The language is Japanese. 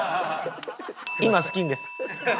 今スキンです。